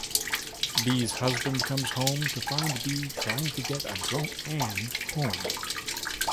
Bea's husband comes home to find Bea trying to get a drunk Ann home.